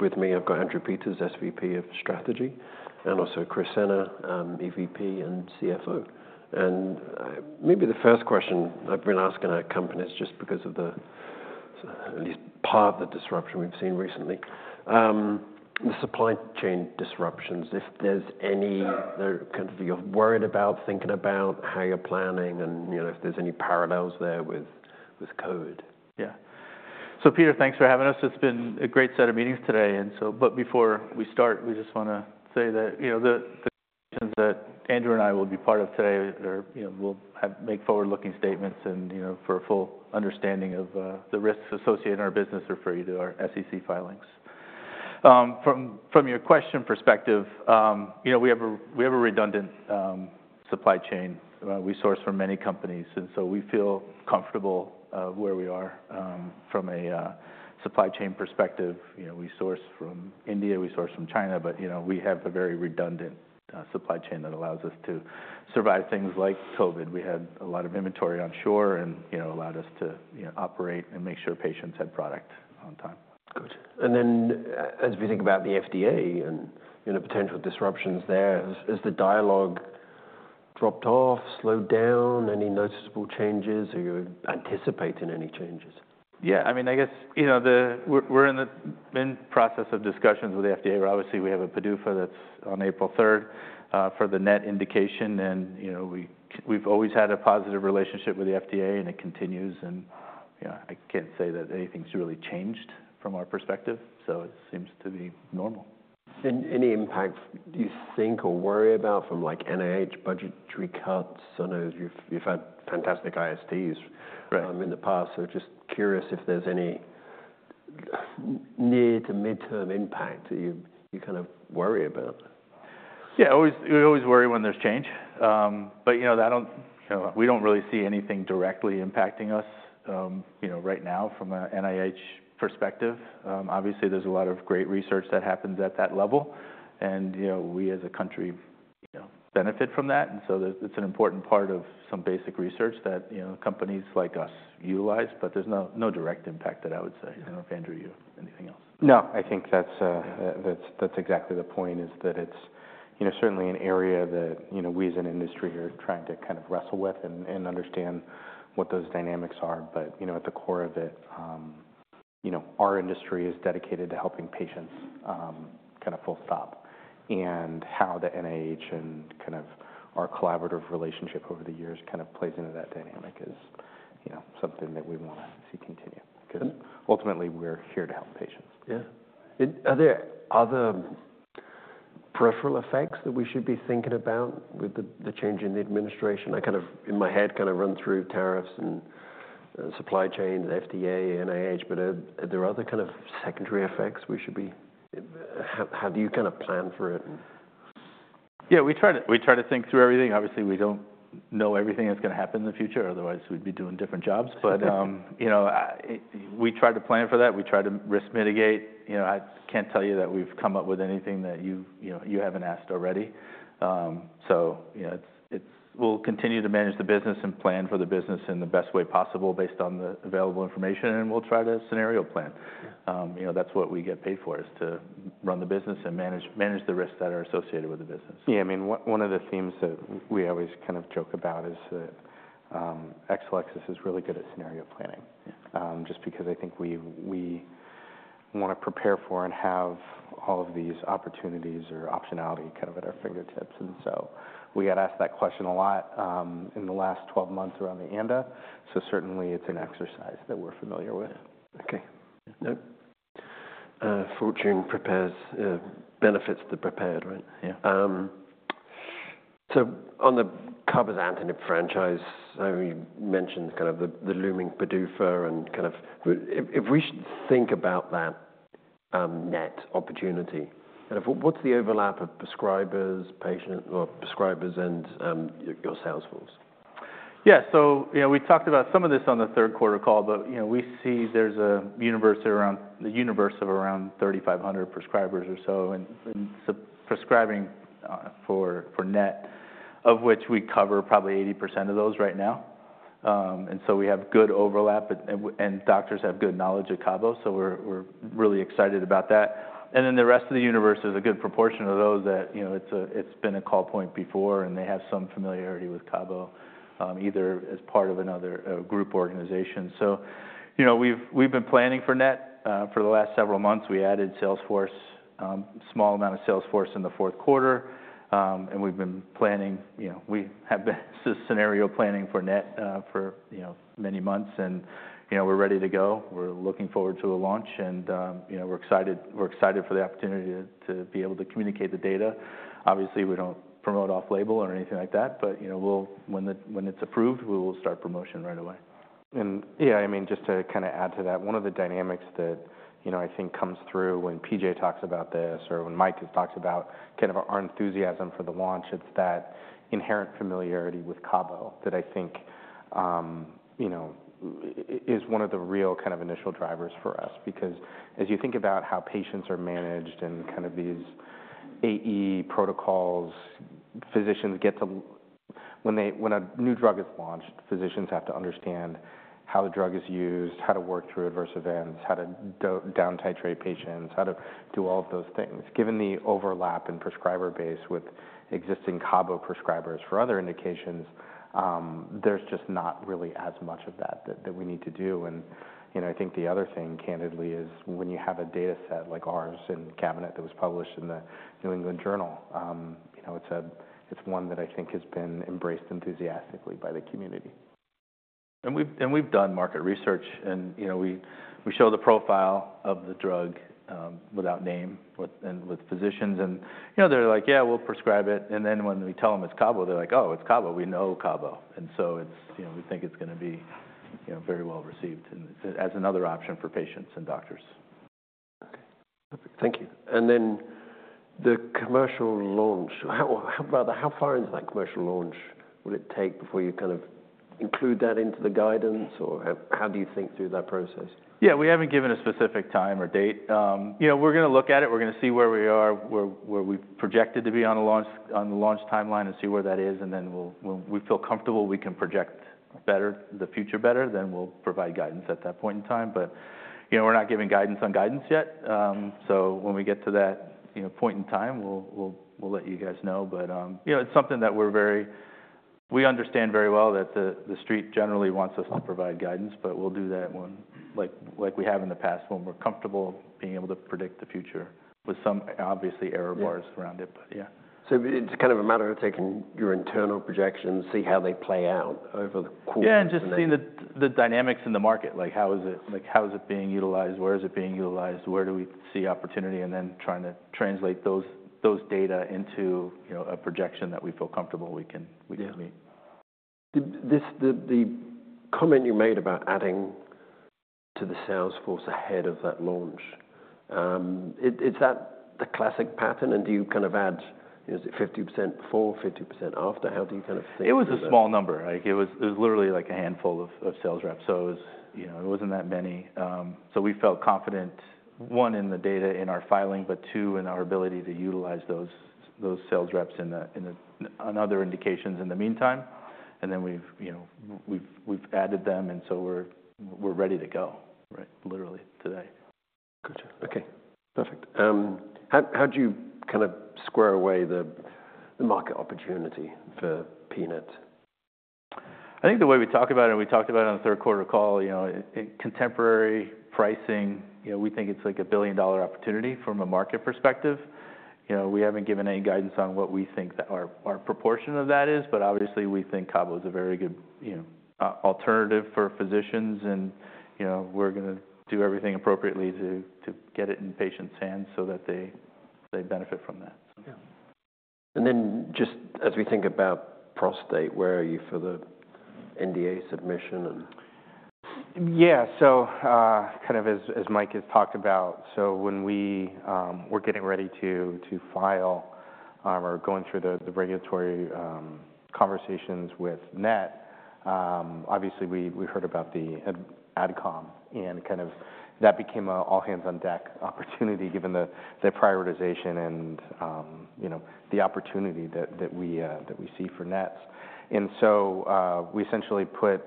With me, I've got Andrew Peters, SVP of Strategy, and also Chris Senner, EVP and CFO. Maybe the first question I've been asking our companies just because of the, at least part of the disruption we've seen recently, the supply chain disruptions, if there's any that kind of you're worried about, thinking about, how you're planning, and if there's any parallels there with COVID. Yeah. Peter, thanks for having us. It's been a great set of meetings today. Before we start, we just want to say that the questions that Andrew and I will be part of today will make forward-looking statements. For a full understanding of the risks associated in our business, refer you to our SEC filings. From your question perspective, we have a redundant supply chain. We source from many companies. We feel comfortable where we are from a supply chain perspective. We source from India. We source from China. We have a very redundant supply chain that allows us to survive things like COVID. We had a lot of inventory on shore and allowed us to operate and make sure patients had product on time. Good. As we think about the FDA and potential disruptions there, has the dialogue dropped off, slowed down, any noticeable changes? Are you anticipating any changes? Yeah. I mean, I guess we're in the process of discussions with the FDA. Obviously, we have a PDUFA that's on April 3 for the net indication. We've always had a positive relationship with the FDA, and it continues. I can't say that anything's really changed from our perspective. It seems to be normal. Any impact you think or worry about from NIH budgetary cuts? I know you've had fantastic ISTs in the past. Just curious if there's any near-to-mid-term impact that you kind of worry about. Yeah. We always worry when there's change. We don't really see anything directly impacting us right now from an NIH perspective. Obviously, there's a lot of great research that happens at that level. We, as a country, benefit from that. It is an important part of some basic research that companies like us utilize. There's no direct impact that I would say. I don't know if Andrew, you have anything else. No. I think that's exactly the point, is that it's certainly an area that we as an industry are trying to kind of wrestle with and understand what those dynamics are. At the core of it, our industry is dedicated to helping patients kind of full stop. How the NIH and kind of our collaborative relationship over the years kind of plays into that dynamic is something that we want to see continue. Ultimately, we're here to help patients. Yeah. Are there other peripheral effects that we should be thinking about with the change in the administration? I kind of, in my head, kind of run through tariffs and supply chains, FDA, NIH. Are there other kind of secondary effects we should be? How do you kind of plan for it? Yeah. We try to think through everything. Obviously, we don't know everything that's going to happen in the future. Otherwise, we'd be doing different jobs. We try to plan for that. We try to risk mitigate. I can't tell you that we've come up with anything that you haven't asked already. We will continue to manage the business and plan for the business in the best way possible based on the available information. We will try to scenario plan. That's what we get paid for, is to run the business and manage the risks that are associated with the business. Yeah. I mean, one of the themes that we always kind of joke about is that Exelixis is really good at scenario planning, just because I think we want to prepare for and have all of these opportunities or optionality kind of at our fingertips. We got asked that question a lot in the last 12 months around the ANDA. Certainly, it's an exercise that we're familiar with. Okay. Fortune benefits the prepared, right? Yeah. On the Cabozantinib franchise, you mentioned kind of the looming PDUFA. And kind of if we think about that net opportunity, kind of what's the overlap of prescribers, patients, or prescribers and your salesforce? Yeah. We talked about some of this on the third quarter call. We see there's a universe of around 3,500 prescribers or so in prescribing for net, of which we cover probably 80% of those right now. We have good overlap. Doctors have good knowledge of CABO. We're really excited about that. The rest of the universe is a good proportion of those that it's been a call point before. They have some familiarity with CABO, either as part of another group organization. We've been planning for net. For the last several months, we added salesforce, a small amount of salesforce in the fourth quarter. We've been planning. We have been scenario planning for net for many months. We're ready to go. We're looking forward to a launch. We are excited for the opportunity to be able to communicate the data. Obviously, we do not promote off-label or anything like that. When it is approved, we will start promotion right away. Yeah, I mean, just to kind of add to that, one of the dynamics that I think comes through when PJ talks about this or when Mike talks about kind of our enthusiasm for the launch, it's that inherent familiarity with CABO that I think is one of the real kind of initial drivers for us. Because as you think about how patients are managed and kind of these AE protocols, physicians get to, when a new drug is launched, physicians have to understand how the drug is used, how to work through adverse events, how to down-titrate patients, how to do all of those things. Given the overlap in prescriber base with existing CABO prescribers for other indications, there's just not really as much of that that we need to do. I think the other thing, candidly, is when you have a data set like ours in Cabozantinib that was published in the New England Journal, it's one that I think has been embraced enthusiastically by the community. We have done market research. We show the profile of the drug without name and with physicians. They are like, yeah, we will prescribe it. When we tell them it is CABO, they are like, oh, it is CABO. We know CABO. We think it is going to be very well received as another option for patients and doctors. Okay. Perfect. Thank you. The commercial launch, how far into that commercial launch will it take before you kind of include that into the guidance? Or how do you think through that process? Yeah. We haven't given a specific time or date. We're going to look at it. We're going to see where we are, where we projected to be on the launch timeline, and see where that is. When we feel comfortable we can project the future better, then we'll provide guidance at that point in time. We're not giving guidance on guidance yet. When we get to that point in time, we'll let you guys know. It's something that we understand very well that the street generally wants us to provide guidance. We'll do that like we have in the past, when we're comfortable being able to predict the future with some, obviously, error bars around it. Yeah. It's kind of a matter of taking your internal projections, see how they play out over the course of the year. Yeah. Just seeing the dynamics in the market. How is it being utilized? Where is it being utilized? Where do we see opportunity? Then trying to translate those data into a projection that we feel comfortable we can meet. The comment you made about adding to the salesforce ahead of that launch, is that the classic pattern? Do you kind of add, is it 50% before, 50% after? How do you kind of think? It was a small number. It was literally like a handful of sales reps. It was not that many. We felt confident, one, in the data in our filing, but two, in our ability to utilize those sales reps and other indications in the meantime. We have added them. We are ready to go, literally, today. Good. Okay. Perfect. How do you kind of square away the market opportunity for pNETs? I think the way we talk about it, and we talked about it on the third quarter call, contemporary pricing, we think it's like a $1 billion opportunity from a market perspective. We haven't given any guidance on what we think our proportion of that is. Obviously, we think CABO is a very good alternative for physicians. We're going to do everything appropriately to get it in patients' hands so that they benefit from that. Yeah. And then just as we think about prostate, where are you for the NDA submission? Yeah. Kind of as Mike has talked about, when we were getting ready to file or going through the regulatory conversations with net, obviously, we heard about the Adcom. That became an all-hands-on-deck opportunity, given the prioritization and the opportunity that we see for NETs. We essentially put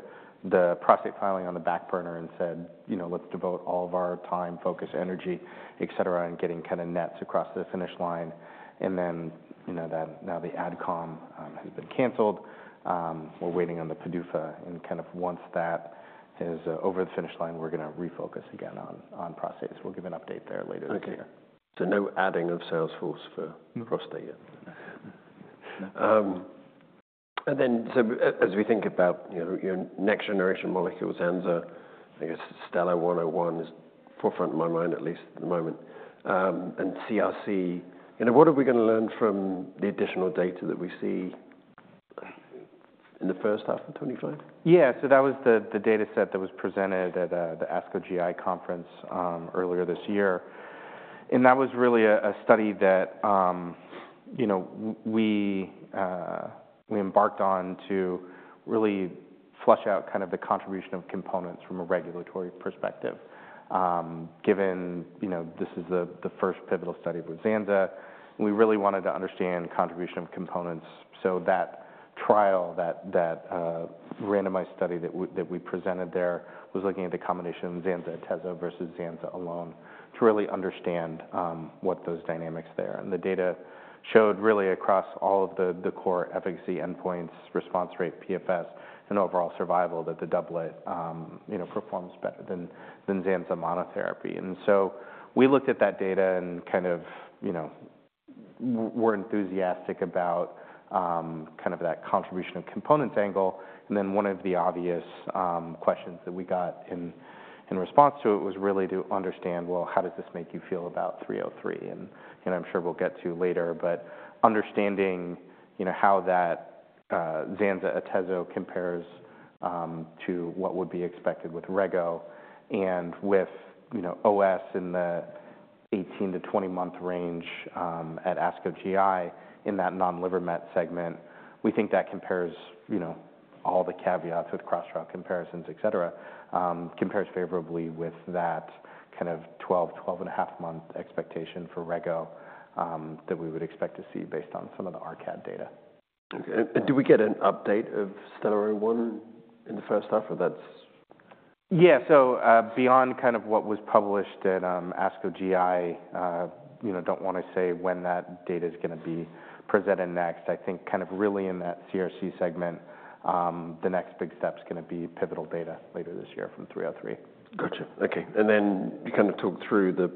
the prostate filing on the back burner and said, let's devote all of our time, focus, energy, et cetera, in getting kind of NETs across the finish line. Now the Adcom has been canceled. We're waiting on the PDUFA. Once that is over the finish line, we're going to refocus again on prostates. We'll give an update there later this year. No adding of salesforce for prostate yet. As we think about your next generation molecules, Zanza, I guess, STELLA-101 is forefront of my mind, at least at the moment. In CRC, what are we going to learn from the additional data that we see in the first half of 2025? Yeah. That was the data set that was presented at the ASCO GI conference earlier this year. That was really a study that we embarked on to really flush out kind of the contribution of components from a regulatory perspective. Given this is the first pivotal study with Zanza, we really wanted to understand contribution of components. That trial, that randomized study that we presented there, was looking at the combination Zanza/Atezo versus Zanza alone to really understand what those dynamics there. The data showed really across all of the core efficacy endpoints, response rate, PFS, and overall survival that the doublet performs better than Zanza monotherapy. We looked at that data and kind of were enthusiastic about kind of that contribution of components angle. One of the obvious questions that we got in response to it was really to understand, well, how does this make you feel about 303? I'm sure we'll get to that later. Understanding how that Zanza/Atezo compares to what would be expected with Rego and with OS in the 18-20 month range at ASCO GI in that non-liver met segment, we think that compares, all the caveats with cross-route comparisons, et cetera, compares favorably with that kind of 12, 12-and-a-half month expectation for Rego that we would expect to see based on some of the ARCAD data. Okay. Did we get an update of STELLA 101 in the first half, or that's. Yeah. Beyond kind of what was published at ASCO GI, do not want to say when that data is going to be presented next. I think kind of really in that CRC segment, the next big step is going to be pivotal data later this year from 303. Gotcha. Okay. You kind of talked through the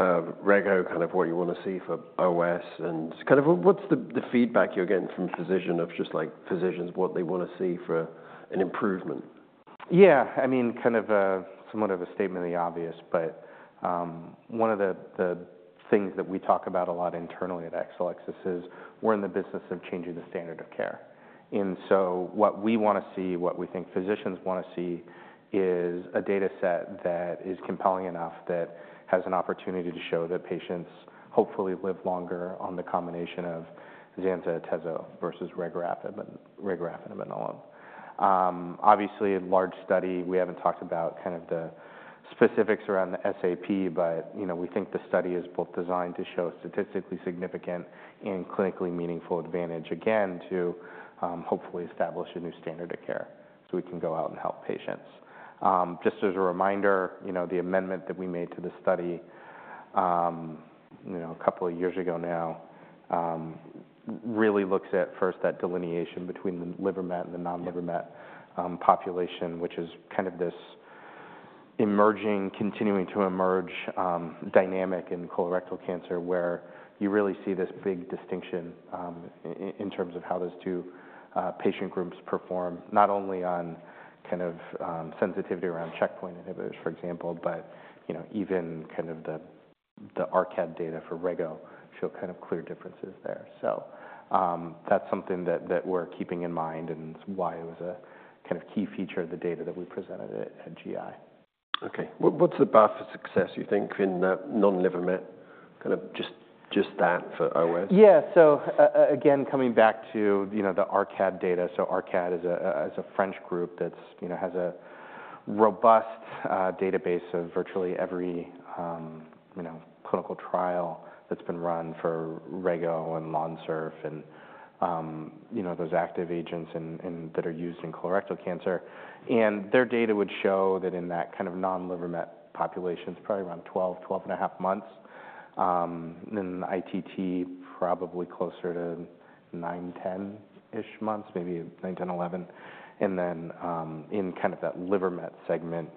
Rego, kind of what you want to see for OS. Kind of what's the feedback you're getting from physicians, just like physicians, what they want to see for an improvement? Yeah. I mean, kind of somewhat of a statement of the obvious. One of the things that we talk about a lot internally at Exelixis is we're in the business of changing the standard of care. What we want to see, what we think physicians want to see, is a data set that is compelling enough that has an opportunity to show that patients hopefully live longer on the combination of Zanza/Atezo versus regorafenib alone. Obviously, a large study. We haven't talked about the specifics around the SAP. We think the study is both designed to show statistically significant and clinically meaningful advantage, again, to hopefully establish a new standard of care so we can go out and help patients. Just as a reminder, the amendment that we made to the study a couple of years ago now really looks at first that delineation between the liver met and the non-liver met population, which is kind of this emerging, continuing to emerge dynamic in colorectal cancer, where you really see this big distinction in terms of how those two patient groups perform, not only on kind of sensitivity around checkpoint inhibitors, for example, but even kind of the ARCAD data for Rego show kind of clear differences there. That is something that we are keeping in mind. It was a kind of key feature of the data that we presented at GI. Okay. What's the path to success, you think, in that non-liver met, kind of just that for OS? Yeah. Again, coming back to the ARCAD data. ARCAD is a French group that has a robust database of virtually every clinical trial that's been run for Rego and Lonsurf and those active agents that are used in colorectal cancer. Their data would show that in that kind of non-liver met population, it's probably around 12, 12 and half months. In ITT, probably closer to 9-10 months, maybe 9, 10, 11. In that liver met segment,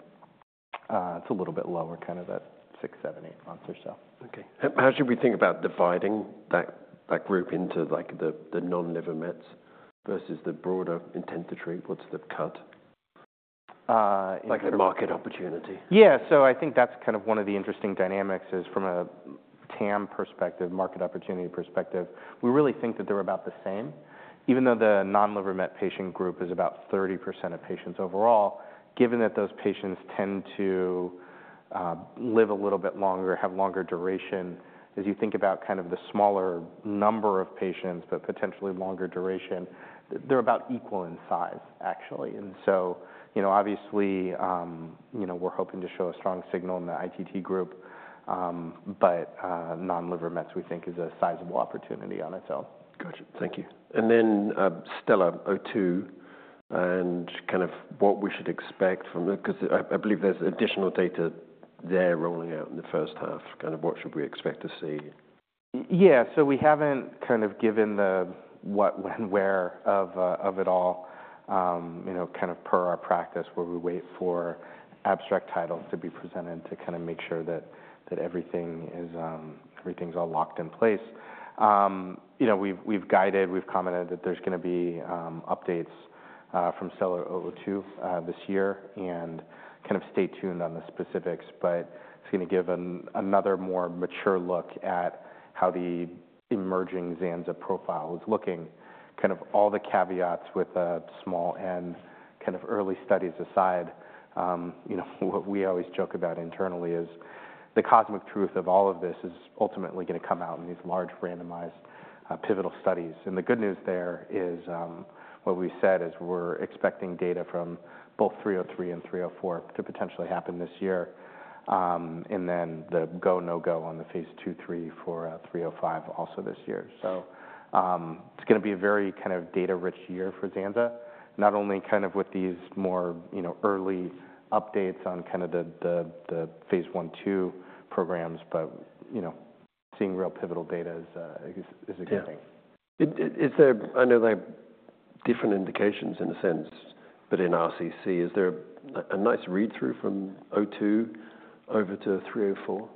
it's a little bit lower, kind of at 6-8 months or so. Okay. How should we think about dividing that group into the non-liver mets versus the broader intent to treat? What's the cut? Like the market opportunity? Yeah. I think that's kind of one of the interesting dynamics is from a TAM perspective, market opportunity perspective, we really think that they're about the same. Even though the non-liver met patient group is about 30% of patients overall, given that those patients tend to live a little bit longer, have longer duration, as you think about kind of the smaller number of patients, but potentially longer duration, they're about equal in size, actually. Obviously, we're hoping to show a strong signal in the ITT group. Non-liver mets, we think, is a sizable opportunity on its own. Gotcha. Thank you and then STELLA 02 and kind of what we should expect from it. Because I believe there's additional data there rolling out in the first half. Kind of what should we expect to see? Yeah. We have not kind of given the what, when, where of it all, kind of per our practice, where we wait for abstract titles to be presented to make sure that everything is all locked in place. We have guided, we have commented that there are going to be updates from STELLA 02 this year. Kind of stay tuned on the specifics. It is going to give another more mature look at how the emerging Zanza profile is looking. All the caveats with a small end, early studies aside, what we always joke about internally is the cosmic truth of all of this is ultimately going to come out in these large randomized pivotal studies. The good news there is what we said is we are expecting data from both 303 and 304 to potentially happen this year. The go, no go on the Phase 2, 3 for 305 also this year. It is going to be a very kind of data-rich year for Zanza, not only kind of with these more early updates on kind of the Phase 1, 2 programs, but seeing real pivotal data is a good thing. Yeah. Is there, under different indications in a sense, but in RCC, is there a nice read-through from 02 over to 304?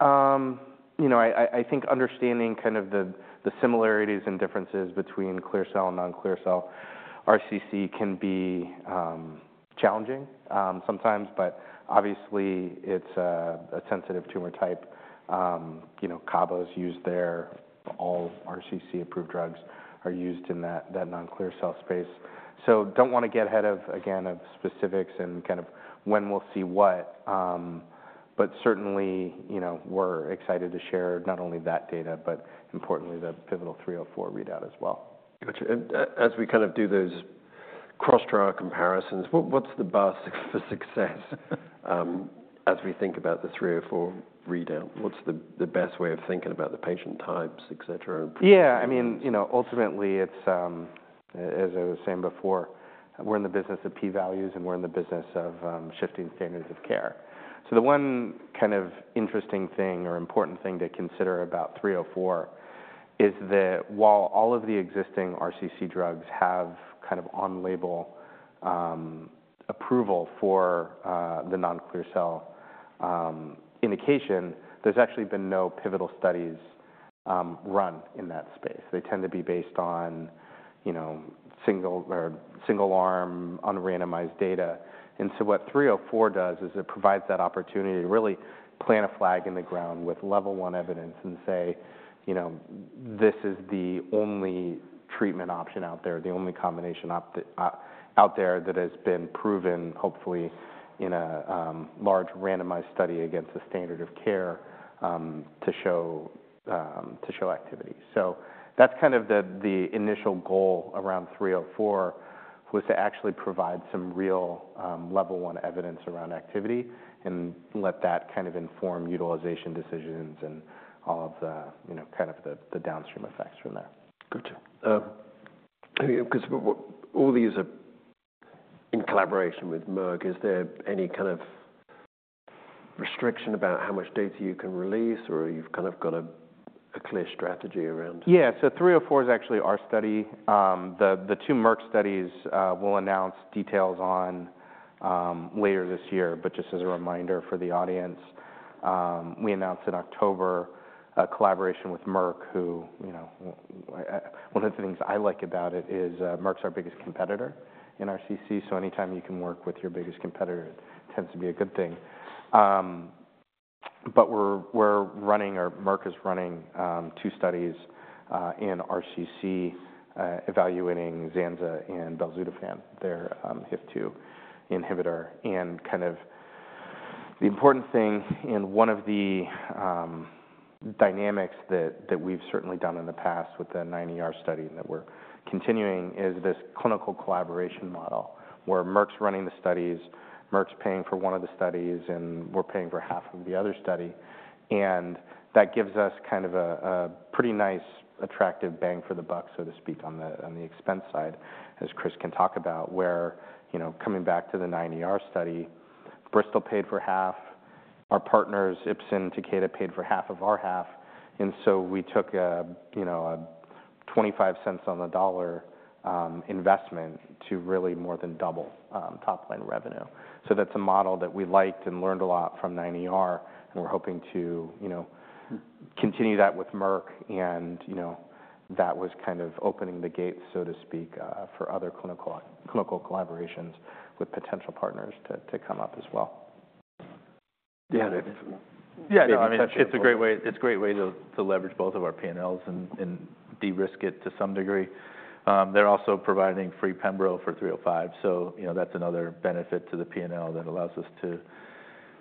I think understanding kind of the similarities and differences between clear cell and non-clear cell RCC can be challenging sometimes. Obviously, it's a sensitive tumor type. CABO is used there. All RCC-approved drugs are used in that non-clear cell space. I do not want to get ahead of, again, of specifics and kind of when we'll see what. Certainly, we're excited to share not only that data, but importantly, the pivotal 304 readout as well. Gotcha. As we kind of do those cross-draw comparisons, what's the basis for success as we think about the 304 readout? What's the best way of thinking about the patient types, et cetera? Yeah. I mean, ultimately, as I was saying before, we're in the business of P-values. And we're in the business of shifting standards of care. The one kind of interesting thing or important thing to consider about 304 is that while all of the existing RCC drugs have kind of on-label approval for the non-clear cell indication, there's actually been no pivotal studies run in that space. They tend to be based on single-arm, un-randomized data. What 304 does is it provides that opportunity to really plant a flag in the ground with level 1 evidence and say, this is the only treatment option out there, the only combination out there that has been proven, hopefully, in a large randomized study against a standard of care to show activity. That's kind of the initial goal around 304 was to actually provide some real level 1 evidence around activity and let that kind of inform utilization decisions and all of the kind of the downstream effects from there. Gotcha. Because all these are in collaboration with Merck, is there any kind of restriction about how much data you can release? Or you've kind of got a clear strategy around? Yeah. 304 is actually our study. The two Merck studies we'll announce details on later this year. Just as a reminder for the audience, we announced in October a collaboration with Merck, who, one of the things I like about it is Merck's our biggest competitor in RCC. Anytime you can work with your biggest competitor, it tends to be a good thing. We're running, or Merck is running, two studies in RCC evaluating Zanza and Belzutifan, their HIF-2 inhibitor. The important thing in one of the dynamics that we've certainly done in the past with the 9ER study that we're continuing is this clinical collaboration model where Merck's running the studies, Merck's paying for one of the studies, and we're paying for half of the other study. That gives us kind of a pretty nice attractive bang for the buck, so to speak, on the expense side, as Chris can talk about, where coming back to the 9ER study, Bristol paid for half. Our partners, Ipsen and Takeda, paid for half of our half. We took a $0.25 on the dollar investment to really more than double top-line revenue. That is a model that we liked and learned a lot from 9ER. We are hoping to continue that with Merck. That was kind of opening the gates, so to speak, for other clinical collaborations with potential partners to come up as well. Yeah. Yeah. I mean, it's a great way to leverage both of our P&Ls and de-risk it to some degree. They're also providing free pembrol for 305. That's another benefit to the P&L that allows us to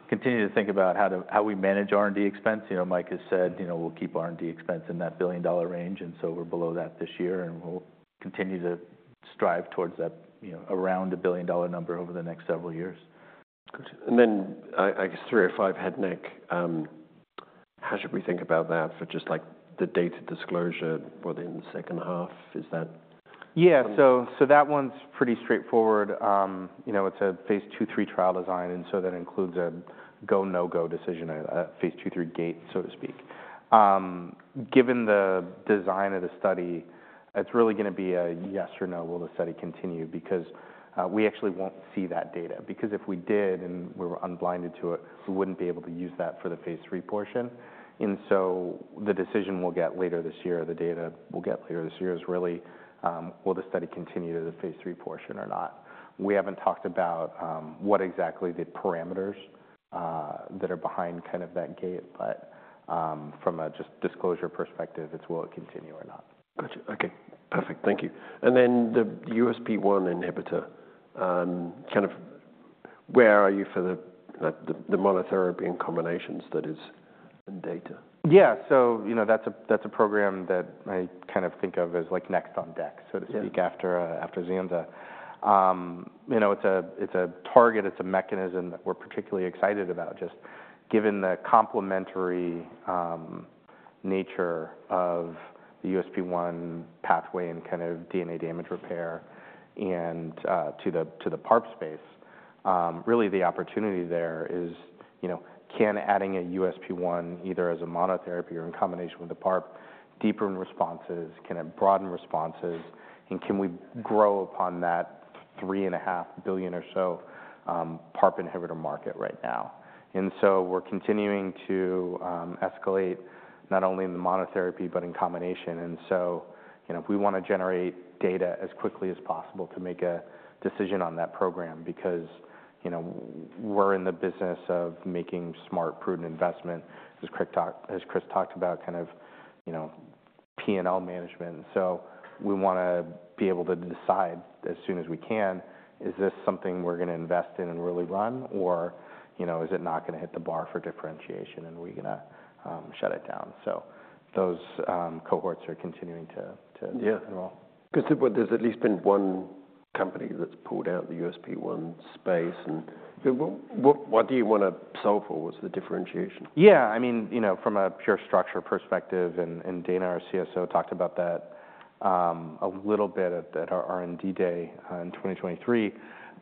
continue to think about how we manage R&D expense. Mike has said we'll keep R&D expense in that billion-dollar range. We're below that this year. We'll continue to strive towards that around a billion-dollar number over the next several years. Gotcha. I guess 305 head and neck, how should we think about that for just like the data disclosure within the second half? Is that? Yeah. That one's pretty straightforward. It's a Phase 2, 3 trial design. That includes a go, no go decision at the Phase 2, 3 gate, so to speak. Given the design of the study, it's really going to be a yes or no, will the study continue? Because we actually won't see that data. If we did and we were unblinded to it, we wouldn't be able to use that for the Phase 3 portion. The decision we'll get later this year, the data we'll get later this year is really, will the study continue to the Phase 3 portion or not? We haven't talked about what exactly the parameters are that are behind that gate. From a disclosure perspective, it's will it continue or not? Gotcha. Okay. Perfect. Thank you, and then the USP1 inhibitor, kind of where are you for the monotherapy in combinations that is data? Yeah. That's a program that I kind of think of as like next on deck, so to speak, after Zanza. It's a target. It's a mechanism that we're particularly excited about, just given the complementary nature of the USP1 pathway and kind of DNA damage repair and to the PARP space. Really, the opportunity there is, can adding a USP1 either as a monotherapy or in combination with the PARP, deepen responses? Can it broaden responses? Can we grow upon that $3.5 billion or so PARP inhibitor market right now? We're continuing to escalate not only in the monotherapy, but in combination. We want to generate data as quickly as possible to make a decision on that program. We're in the business of making smart, prudent investment, as Chris talked about, kind of P&L management. We want to be able to decide as soon as we can, is this something we're going to invest in and really run? Or is it not going to hit the bar for differentiation? Are we going to shut it down? Those cohorts are continuing to enroll. Yeah. Because there's at least been one company that's pulled out of the USP1 space. And what do you want to solve for? What's the differentiation? Yeah. I mean, from a pure structure perspective, and Dana, our CSO, talked about that a little bit at our R&D day in 2023. It's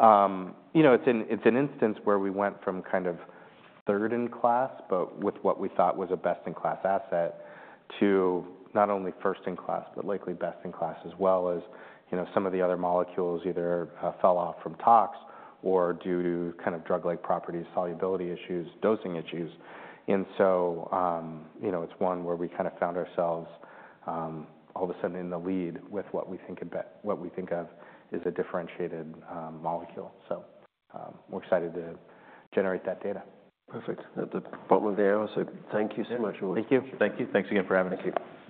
an instance where we went from kind of third in class, but with what we thought was a best-in-class asset, to not only first in class, but likely best in class, as well as some of the other molecules either fell off from tox or due to kind of drug-like properties, solubility issues, dosing issues. It is one where we kind of found ourselves all of a sudden in the lead with what we think of as a differentiated molecule. We are excited to generate that data. Perfect. At the bottom of the hour. Thank you so much. Thank you. Thank you. Thanks again for having us here.